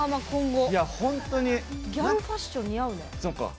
ギャルファッション似合うね。